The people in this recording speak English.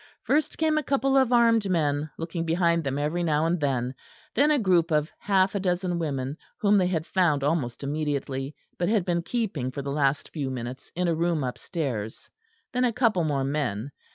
First came a couple of armed men, looking behind them every now and then; then a group of half a dozen women, whom they had found almost immediately, but had been keeping for the last few minutes in a room upstairs; then a couple more men.